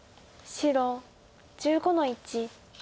白１５の一。